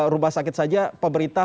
rumah sakit saja pemerintah